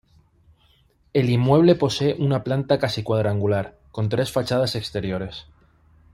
El inmueble posee una planta casi cuadrangular, con tres fachadas exteriores.